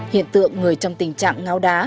hiện tượng người trong tình trạng ngao đá